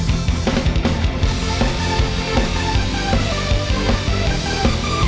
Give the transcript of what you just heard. โปรดติดตามต่อไป